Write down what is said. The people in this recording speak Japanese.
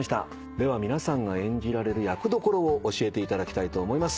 では皆さんが演じられる役どころを教えていただきたいと思います。